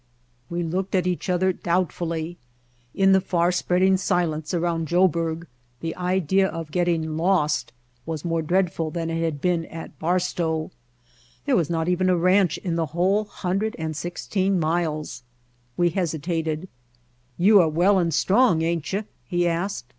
We looked at each other doubtfully. In the far spreading silence around Joburg the idea of getting lost was more dreadful than it had been at Barstow. There was not even a ranch in the White Heart of Mojave whole hundred and sixteen miles. We hesitated. "You are well and strong, ain't you?" he asked.